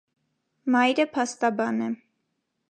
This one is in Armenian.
Մայրը փաստաբն է։